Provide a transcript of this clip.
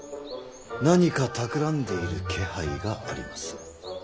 何かたくらんでいる気配があります。